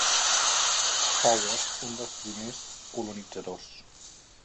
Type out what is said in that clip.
Powers, un dels primers colonitzadors.